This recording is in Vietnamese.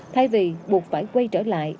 thay vì buộc phải quay trở lại